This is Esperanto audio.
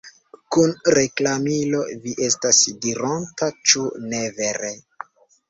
Kun reklamilo, vi estas dironta, ĉu ne vere!